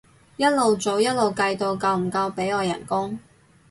一路做一路計到夠唔夠俾我人工